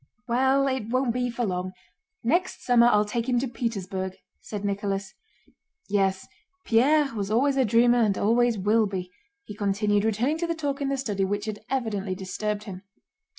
"Well it won't be for long. Next summer I'll take him to Petersburg," said Nicholas. "Yes, Pierre always was a dreamer and always will be," he continued, returning to the talk in the study which had evidently disturbed him.